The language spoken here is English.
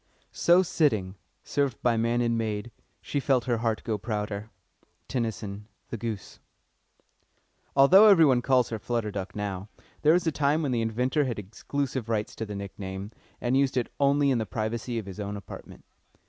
"So sitting, served by man and maid, She felt her heart grow prouder." TENNYSON: The Goose. Although everybody calls her "Flutter Duck" now, there was a time when the inventor had exclusive rights in the nickname, and used it only in the privacy of his own apartment.